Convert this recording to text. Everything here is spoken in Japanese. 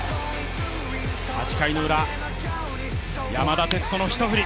８回のウラ、山田哲人の一振り。